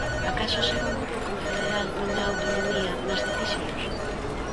Acaso ser un grupo confederal non dá autonomía nas decisións?